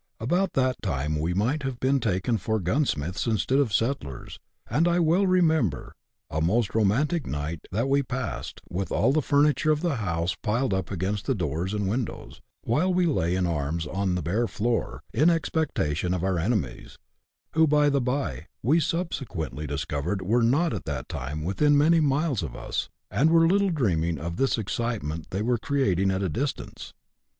About that time we might have been taken for gunsmiths instead of settlers, and I well remember a most romantic night that we passed, with all the furniture of the house piled up against the doors and windows, while we lay in arms on the bare floor, in expectation of our enemies, who, by the bye, we subsequently discovered were not at that time within many miles of us, and were little dreaming of the excitement they were creating at a distance.